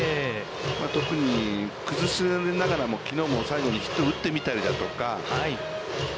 特に、崩しながらもきのうも最後にヒットを打ってみたりだとか。